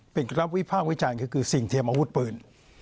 เป็นรับวิพากษ์วิจารณ์ก็คือสิ่งเทียมอาวุธปืน